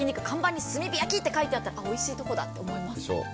看板に炭火焼きと書いてあったらおいしいところだと思います。